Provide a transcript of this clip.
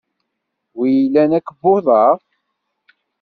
W ilan akebbuḍ-a?